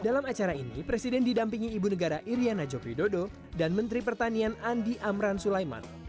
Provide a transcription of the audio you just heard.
dalam acara ini presiden didampingi ibu negara iryana joko widodo dan menteri pertanian andi amran sulaiman